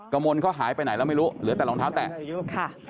กระมวลเขาหายไปไหนแล้วไม่รู้เหลือแต่รองเท้าแตะค่ะ